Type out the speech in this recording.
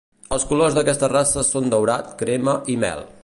Els colors d'aquesta raça són daurat, crema, i mel.